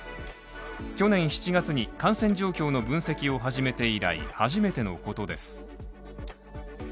去年７月に、感染状況の分析を始めて以来初めてのことです。